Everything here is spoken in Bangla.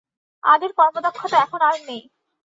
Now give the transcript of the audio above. আগের কর্মদক্ষতা এখন আর নেই।